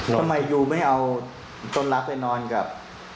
ทำไมยูไม่เอาต้นรักไปนอนกับ